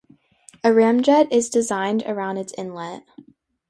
A ramjet is designed around its inlet.